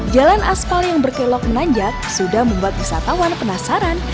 jalan aspal yang berkelok menanjak sudah membuat wisatawan penasaran